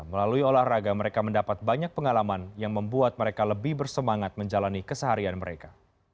melalui olahraga mereka mendapat banyak pengalaman yang membuat mereka lebih bersemangat menjalani keseharian mereka